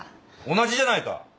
同じじゃないか。